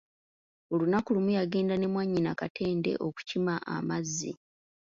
Olunaku lumu yagenda ne mwanyina Katende okukima amazzi.